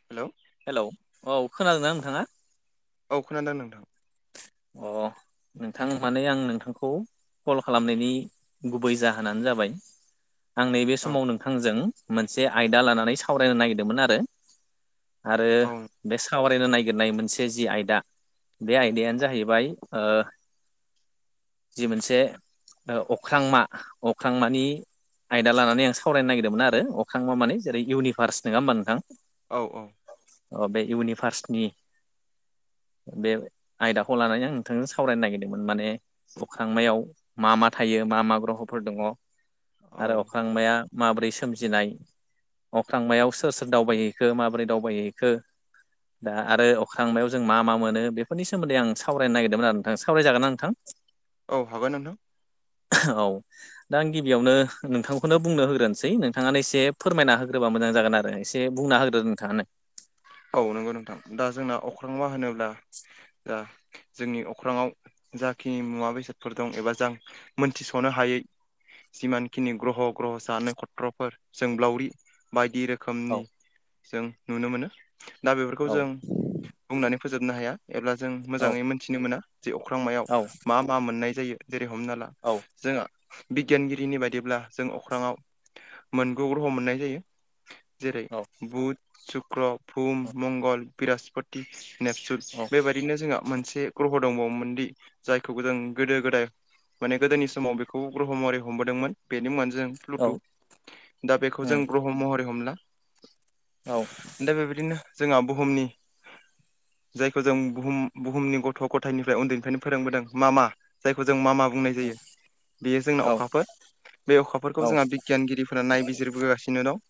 हेल'? Hello औ खोनादोंना नोंथाङा? औ खोनादों नोंथां अ नोंथां माने आं नोंथांखौ कल खालामनायनि गुबै जाहोनानो जाबाय। आं नैबे औ समाव नोंथांजों मोनसे आयदा लानानै सावरायनो नागिरदोंमोन आरो। आरो औ बे सावरायनो नागिरनाय मोनसे जि आयदा बे आयदायानो। जाहैबाय जि मोनसे। ओ अख्रांमा अख्रांमानि आयदा लानानै आं सावरायनो नागिरदोंमोन आरो अख्रा़मा माने जेरै इउनिभार्स नङा होमबा नोंथां। औ औ। अ बे इउनिभार्सनि बे आयदाखौ लानानै आं नोंथांजों सावरायनो नागिरदोंमोन माने अख्रांमायाव मा मा थायो मा मा ग्रहफोर दङ औ आरो अख्रांमाया माबोरै सोमजिनाय अख्रांमायाव सोर सोर दावबायहैखो माबोरै दावबायहैखो। दा आरो अख्रांमायाव जों मा मा मोनो बेफोरनि सोमोन्दै आं सावरायनो नागिरदोंमोन आरो नोंथां सावराय जागोना नोंथां। औ हागोन नोंथां। औ। दा आं गिबियावनो नोंथांखौनो बुंनो होग्रोनोसै नोंथाङानो एसे फोरमायना होग्रोबा मोजां जागोन आरो। एसे बुंना होग्रो नोंथाङानो। औ- नंगौ नोंथां दा जोंना अख्रां मा होनोब्ला दा जोंनि अख्राङाव जाखिनि मुवा बेसादफोर दं एबा जों मोनथिस'नो हायै जिमान खिनि ग्रह' ग्रह'सा खथ्रफोर सोंब्लावरि बायदि रोखोम। औ रोखोमनि जों नुनो मोनो दा बेफोरखौ औ जों बुंनानै फोजोबनो हाया। एब्ला जों औ मोजाङै मोनथिनो मोना जे अख्रांमायाव औ मा मा मोननाय जायो जेरै हमना ला जोंहा बिगियानगिरिनि बायदिब्ला जों अख्राङाव मोनगु ग्रह मोननाय जायो। जेरै औ बुध सुक्र बहुम मंगल बृहस्प ति नेपसुन बेबायदिनो जोंहा मोनसे ग्रह' दंबावोमोनदि जायखौ जों गोदो गोदाय। माने गोदोनि समाव बेखौ ग्रह' महरै हमबोदोंमोन बेनि मुङानो जों प्लुटु दा बेखौ जों ग्रह' महरै हमला। औ। दा बेबायदिनो जोंहा बुहुमनि जायखौ जों बुहुम बुहुमनि गथ' गथायनिफ्राय उन्दैनिफ्रायनो फोरोंबोदों मा मा‌? जायखौ जों मा मा बुंनाय जायो बेयो औ जोंना अखाफोर। बे अखाफोरखौ औ जोंहा बिगियानगिरिफोरा नायबिजिरबोगासिनो दं।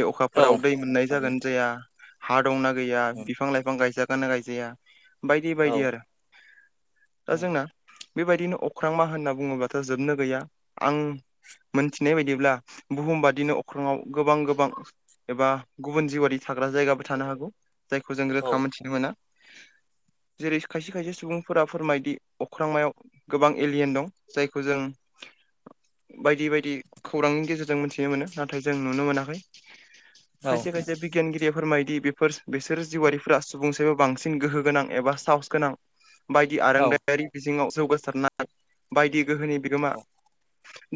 बे औ अखाफोराव दै मोननाय थारैनो जागोन जाया। हा दंना गैया उम बिफां लाइफां गायजागोना गायजाया बायदि औ बायदि आरो। [inaudible] दा जोंना बेबायदिनो अख्रां मा होनना बुङोबाथ' जोबनो गैया आं। मोनथिनाय बायदिब्ला बुहुम बादिनो अख्राङाव गोबां गोबां एबा गुबुन जिउरारि थाग्रा जायगाबो थानो हागौ जायखौ जों रोखा मोनथिनो मोना। जेरै खायसे खायसे सुबुंफोरा फोरमायदि अख्रांमायाव गोबां एलियेन दं जायखौ जों बायदि बायदि खौरांनि गेजेरजों मोन्थिनो मोनो नाथाय जों नुनो मोनाखै। औ खायसे खायसे बिगियानगिरि फोरमायदि बेफोर बिसोर जिउवरारिफोरा सुबुंसाइबो बांसिन गोहो गोनां एबा साहस गोनां। बायदि औ आरोंदायारि बिजोङाव जौगासारनाय बायदि गोहोनि बिगोमा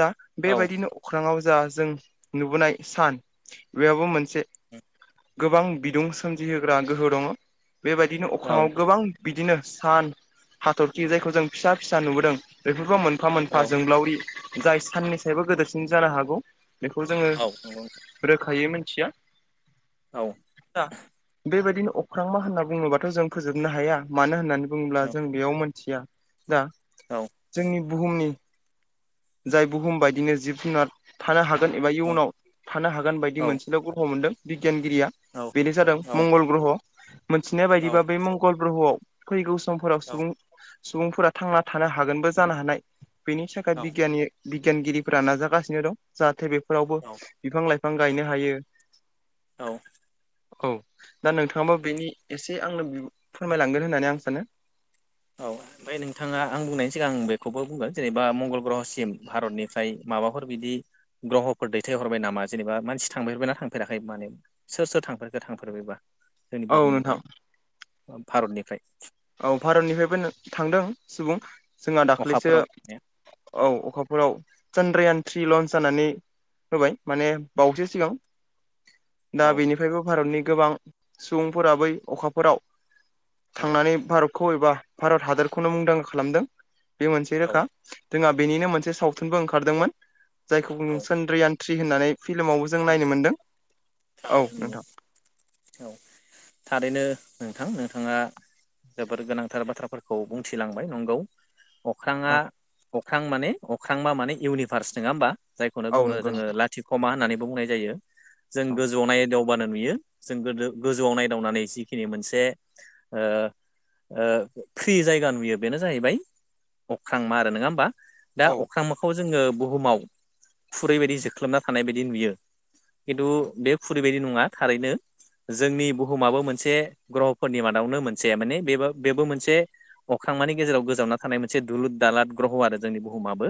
दा औ बेबायदिनो अख्राङाव जा जों नुबोनाय सान बेहाबो मोनसे गोबां बिदुं सोमजिहोग्रा गोहो दङ बेबायदिनो औ अख्राङाव गोबां। बिदिनो सान हाथरखि जायखौ जों फिसा फिसा नुबोदों। बेफोरबो मोनफा औ मोनफा जोंग्लावरि जाय सानिन सायबो गोदोरसिन जानो हागौ। बेखौ जोङो औ नंगौ रोखायै मिथिया। औ दा बेबायदिनो अख्रां मा होनना बुङोबाथ' जों फोजोबनो हाया मानो होननानै बुंब्ला औ जों बेयाव मोनथिया दा औ जोंनि बुहुमनि जाय बुहुम बायदिनो जिब जुनार थानो हागोन एबा इयुनाव थानो हागोन बायदि औ मोनसेल' गथ' मोनदों बिगियानगिरिया औ औ बेनो जादों मंगल ग्रह' मिथिनाय औ बायदिबा बेै मंगल ग्रह'आव फैगौ समफोराव सुबुं सुबुंफोरा थांना थानो हागोनबो जानो हानाय बेनि थाखाय बिगियाननि बिगियानगिरिफोरा नाजागासिनो दं जाहाथे बेफोरावबो औ बिफां लाइफां गायनो हायो। औ औ दा नोंथाङाबो बेनि एसे आंनो फोरमायलांगोन होननानै आं सानो औ ओमफ्राय नोंथाङा आं बुंनायनि सिगां आं बेखौबो बुंगोन जेनेबा मंगल ग्रहसिम भारतनिफ्राय माबाफोर बिदि ग्रह'फोर दैथाय हरबाय नामा जेनेबा मानसि थांफरबायना थांफेराखै माने सोर सोर थांफेरखो थांफेरबायबा जोंनि औ नोंथां बुहुमनिफ्राय भारतनिफ्राय औ भारतनिफ्रायबो थांदों सुबुं जोंहा दाखलैसो अखाफोराव औ अखाफोराव चान्द्रायान थ्रि लन्स जानानै होबाय माने बावैसो सिगां। दा औ बेनिफ्रायबो भारतनि गोबां सुबुंफोरा बै अखाफोराव औ थांनानै भारतखौ एबा भारत हादरखौनो मुंदांखा खालामदों बे मोनसे रोखा। औ जोंहा बेनिनो मोनसे सावथुनबो ओंखारदोंमोन जायखौ औ सद्रियान थ्रि होननानै फिल्मावबो जों नायनो मोनदों सानजानिफ्राय औ थारैनो नोंथां नंगौ औ थारैनो नोंथां नोंथाङा जोबोर गोनांथार बाथ्राफोरखौ बुंथिलांबाय नंगौ अख्रांया औ अख्रां माने अख्रांमा माने इउनिभार्स नङा होमबा जायखौनो औ बुङो नंगौ जोङो नोंथां लाथिख'मा होननानैबो बुंनाय जायो जों गोजौआव नायदाव बानो नुयो जों गोदो गोजौआव नायदावनानै जिखिनि मोनसे ओ ओ फ्रि जायगा नुयो बेनो जाहैबाय अख्रांमा आरो नङा होमबा। दा औ अख्रांमाखौ जोङो बुहुमाव खुरैबायायदि जोख्लोबना थानाय बायदि नुयो। खिन्थु औ बे खुरिबायदि नङा थारैनो जोंनि बुहुमाबो मोनसे ग्रहफोरनि मादावनो मोनसे माने बेबो बेबो मोनसे अख्रांमानि गेजेराव गोजावना थानाय मोनसे दुलुरद दालाद ग्रह' आरो जोंनि बुहुमाबो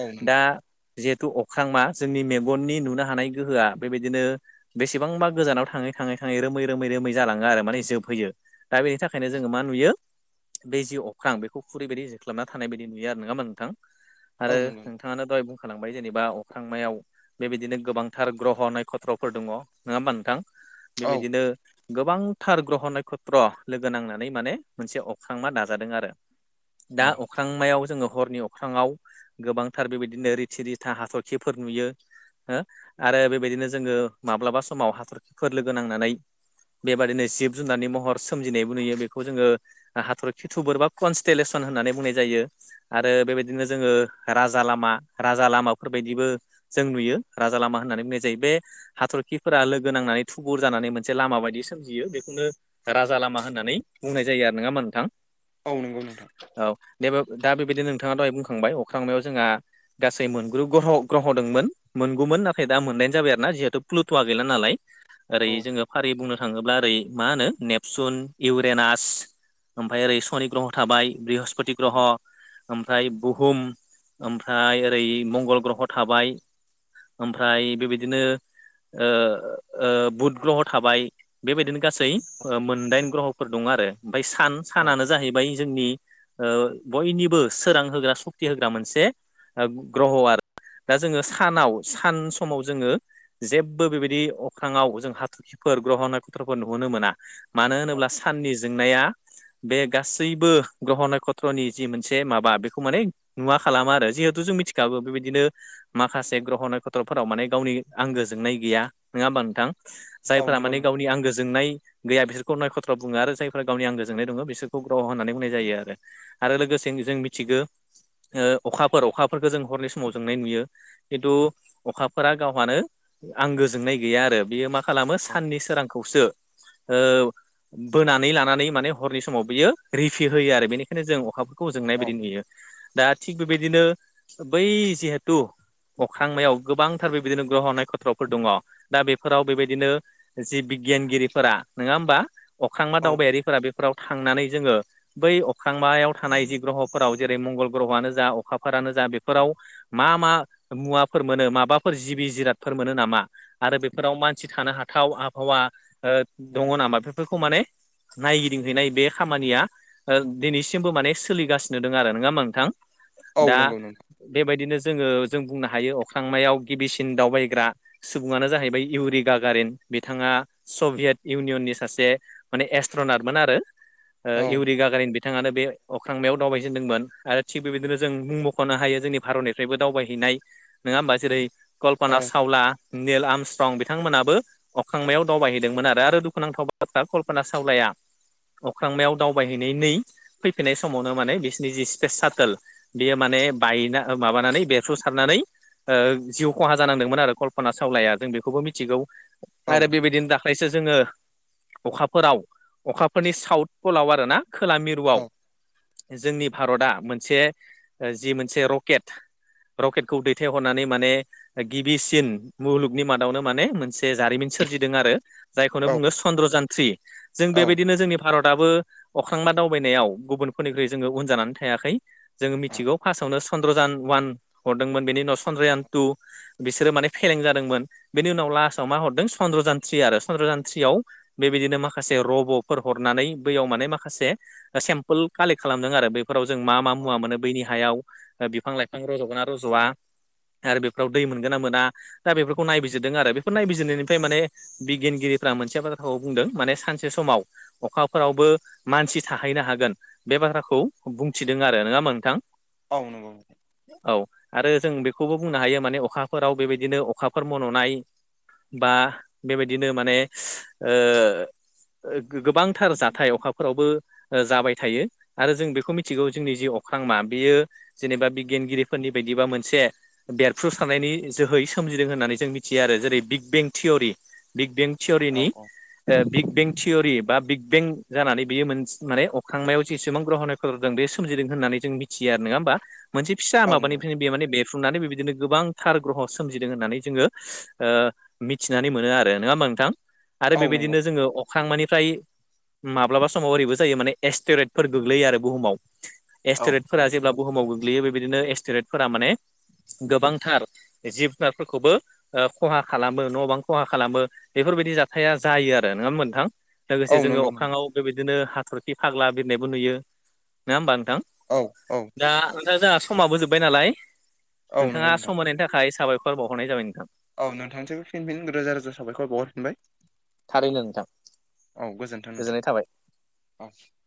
औ दा नंगौ जिहेथु अख्रांमा जोंनि मेगननि नुनो हानाय गोहोआ बेबायदिनो बेसेबांबा गोजानाव थाङै थाङै थाङै रोमै रोमै रोमै जालाङो आरो माने जोबहैयो। दा बेनि थाखायनो जोङो मा नुयो बे जि अख्रां बेखौ खुरैबायायदि जोख्लाबना थानाय बायदि नुयो आरो नङा होमबा नोंथां। औ आरो नंगौ नोंथाङानो दहाय बुंखालांबाय जेनेबा अख्रांमायाव बेबायदिनो गोबांथार ग्रह' नखथ्रफोर दङ नङा होमबा नोंथां औ बेबायदिनो गोबांथार ग्रह नखत्र लोगो नांनानै माने मोनसे अख्रांमा दाजादों आरो दा औ अख्रां अख्रांमायाव जोङो हरनि अख्राङाव गोबांथार बेबायदिनो रिथि रिथा हाथरखिफोर नुयो। हो आरो बेबायदिनो जोङो माब्लाबा समाव हाथरखिफोर लोगो नांनानै बेबादिनो जिब जुनारनि महर सोमजिनायबो नुयो बेखौ जोङो हाथरखि थुबुरबा कनस्टेलेसन होननानै बुंनाय जायो आरो बेबायदिनो जोङो राजा लामा राजा लामाफोरबायदिबो जों नुयो राजा लामा होननानै बुंनाय जायो बे हाथरखिफोरा लोगो नांनानै थुबुर जानानै मोनसे लामा बायदि सोमजियो बेखौनो राजा लामा होननानै बुंनाय जायो आरो नङा होमबा नोंथां। औ नंगौ नोंथां औ दे दा बेबायदि नोंथाङा दहाय बुंखांबाय अख्रांमायाव जोंहा गासै मोन गु ग्रह ग्रह मोन गु मोन नाथाय दा मोनदायन जाबाय आरोना दा फ्लुट' या गैलानालाय ओरै औ औ फारि बुंनो थाङोब्ला ओरै मा होनो नेपसुन इउरेनास ओमफ्राय ओरै सनि ग्रह थाबाय बृहस सनि औ ग्रह'ओमफ्राय बुहुम ओमफ्राय ओरै मंगल ग्रह' थाबाय ओमफ्राय बेबायदिनो ओ बुध ग्रह थाबाय बेबायदिनो गासै मोनदाइन ग्रह'फोर दं आरो ओमफ्राय सान औ सानानो जाहैबाय जोंनि बयनिबो सोरां होग्रा सक्ति होग्रा मोनसे ग्रह' आरो दा जोङो सानाव सान समाव जोङो जेबो बेबायदि अख्रांङाव जों हाथरखिफोर ग्रह नाथ्र'फोर नुहोनो मोना मानो औ होनोब्ला साननि जोंनाया बे गासैबो गहना नक्षत्रनि जि मोनसे माबा बेखौ माने नुवा खालामा आरो जिहेथु जों मिथिखाबो बेबायदिनो माखासे ग्रह नक्षत्रफोराव माने गावनि आंगो जोंनाय गैया नङा होमबा नोंथां औ जायफोरा नंगौ माने नों गावनि आंगो जोंनाय गैया बिसोरखौ नक्षत्र बुङो आरो जायफोरा गावनि आंगो जोंनाय दङ बिसोरखौ ग्रह' होननानै बुंनाय जायो आरो आरो लोगोसे जों मिथिगौ अखाफोर अखाफोरखौ जों हरनि समाव जोंनाय नुयो खिन्थु अखाफोरा गावहानो आंगो जोंनाय गैया आरो बेयो मा खालामो औ साननि सोरांखौसो ओ बोनानै लानानै माने हरनि समाव बियो रिफि होयो आरो बेनिखायनो जों अखा खौ जोंनाय औ बायदि नुयो दा थिग बेबायदिनो बै जिहेथु अख्रांमायाव गोबांथार बेबायदिनो ग्रह नक्षत्रफोर दङ दा बेफोराव बेबायदिनो जि बिगियानगिरिफोरा नङा होमबा अख्रांबा औ दावबायारिफोरा बेफोराव थांनानै जोङो बै अख्रांमायाव थानाय जि ग्रह'फोराव जेरै मंगल ग्रह'आनो जा अखाफोरानो जा बेफोराव मा मा मुवाफोर मोनो माबाफोर जिबि जिरादफोर मोनो नामा आरो बेफोराव मानसि थानो हाथाव आबहावा दङ नामा बेफोरखौ माने नायगिदिंहैनाय बे खामानिया दिनैसिमबो माने सोलिगासिनो दं आरो नङा होनबा नोंथां औ दा नंगौ नोंथां बेबायदिनो जोङो जों बुंनो हायो अख्रांमायाव गिबिसिन दावबायग्रा सुबुङानो जाहैबाय इउरिगाागारिन बिथाङा सभियेत इउनियननि सासे माने एस्ट्रनारमोन आरो इउरिगा बिथाङानो बे अख्रांमायाव दावबायजेनदोंमोन आरो थिग बेबायदिनो जों मुं मख'नो हायो जोंनि भारतनि निफ्रायबो दावबायहैनाय नङा होमबा जेरै औ Kalpana Chawla Neil Armstrong बिथांमोनाबो अखांमायाव दावबायहैदोंमोन आरो आरो दुखुनांथाव बाथ्रा कल्पना सावलाया अख्रांनायाव दावबायहैनाय नै फैफिनाय समावनो माने बिसिनि जि स्पेस सटेल बेयो माने बायना माबानानै बेरफ्रु सारनानै जिउ खहा जानांदोंमोन आरो कल्पना सावलाया जों बेखौबो मिथिगौ औ आरो बेबायदिनो दाख फायसो जोङो अखाफोराव अखाफोरनि साउथ पलाव आरोना खोला मिरुआव जोंनि भारतआ मोनसे जि मोनसे र रकेट रकेटखौ दैथायहरनानै माने गिबिसिन मुलुगनि मादावनो माने मोनसे जारिमिन सोरजिदों आरो जायखौनो औ बुङो चन्द्र जान थ्रि जों बेबायदिनो जोंनि भारतआबो अख्रांमा दावबायनायाव गुबुनफोरनिख्रुइ जोङो उन जानानै थायाखै जोङो मिथिगौ फार्स्टआवनो चन्द्रजान अवान हरदोंमोन बेनि उनाव चन्द्रयान टु बिसोरो माने फेलें जादोंमोन बेनि उनाव लास्टआव मा हरदों चन्द्रजानथ्रि आरो चन्द्रजानथ्रियाव बेबायदिनो माखासे रब'फोर हरनानै बैयाव माने माखासे सेम्पोल कालेक्ट खालामदों आरो बेफोराव जों मा मा औ मुवा मोनो बैनि हायाव बिफां लाइफां रज'गोन ना रज'या आरो बेफोराव दै मोनगोन ना मोना दा बेफोरखौ नायबिजिरदों आरो बेफोर नायबिजिरनायनिफ्राय माने बिगियानगिरिफ्रा मोनसे बाथ्राखौ बुंदों माने सानसे समाव अखाफोरावबो मानसि थाहैनो हागोन बे बाथ्राखौ बुंथिदों आरो नङा होमबा नोंथां। औ नंगौ। औ आरो जों बेखौबो बुंनो हायो माने अखाफोराव बेबायदिनो अखाफोर मन'नाय बा बेबायदिनो माने ओ गोबांथार जाथाय अखाफोरावबो जाबाय थायो आरो जों बेखौ मिथिगौ जोंनि जि अख्रांमा बेयो जेनेबा बिगियानगिरिफोरनि बायदिबा मोनसे बेरफ्रुसारनायनि जोहै सोमजिदों होननानै जों मिथियो आरो जेरै बिग बें थिउरि बिग बें थिउ'रिनि औ औ बिग बें थिउरि बा बिग बें जानानै बियो मोनसे माने अख्रांमायाव जेसेबां ग्रहन हो जों बे सोमजिदों होननानै जों मिथियो आरो नङा होमबा? मोनसे फिसा औ नंगौ माबानिफ्रायनो बे माने बे सुफुंनानै बेबायदिनो गोबांथार ग्रह सोमजिदों होननानै जोङो ओ मिथिनानै मोनो आरो नङा होमबा नोंथां आरो औ नंगौ बेबायदिनो जोङो अख्रां मानिफ्राय माब्लाबा समाव ओरैबो जायो माने एस्टेरेटफोर गोग्लैयो आरो बुहुमाव। औ एस्टेरेटफोरा जेब्ला बुहुमाव गोग्लैयो बेबायदिनो एस्टेरेटफोरा माने गोबांथार जिब जुनारफोरखौबो खहा खालामो न' बां खहा खालामो बेफोरबायदि जाथाया जायो आरो नङा होमबा नोंथां? लोगोसे औ जोङो नंगौ नोंथां अख्राङाव बेबायदिनो हाथरखि फाग्ला बिरनायबो नुयो नङा होमबा नोंथां? औ औ दा नोंथा जोंहा समाबोजोब्बाय नालाय औ नंगौ नोंथाङा नोंथां सम होनायनि थाखाय साबायखर। बावहनाय जाबाय नोंथां औ नोंथांनिसिमबो फिन रोजा रोजा साबायखर बावहरफिनबाय। गोजोन्थों औ गोजोन्थों नोंथां गोजोननाय थाबाय। [inaudible]